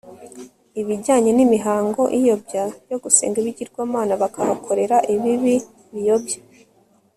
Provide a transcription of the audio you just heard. ibijyanye nimihango iyobya yo gusenga ibigirwamana bakahakorera ibibi biyobya